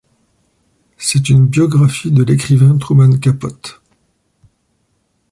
C'est une biographie de l'écrivain Truman Capote.